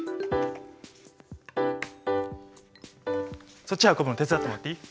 そっち運ぶの手伝ってもらっていい？